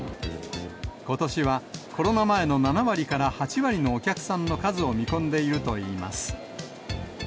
ことしはコロナ前の７割から８割のお客さんの数を見込んでいるといいます。